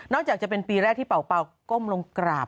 จากจะเป็นปีแรกที่เป่าก้มลงกราบ